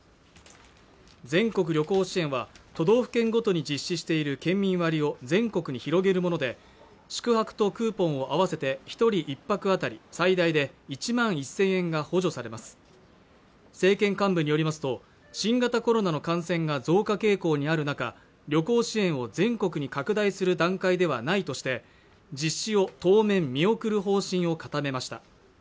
全国旅行支援は都道府県ごとに実施している県民割を全国に広げるもので宿泊とクーポンを合わせて一人１泊当たり最大で１万１０００円が補助されます政権幹部によりますと新型コロナの感染が増加傾向にある中旅行支援を全国に拡大する段階ではないとして実施を当面見送る方針を固めました